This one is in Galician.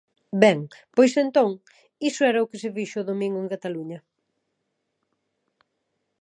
Ben, pois entón, iso era o que se fixo o domingo en Cataluña.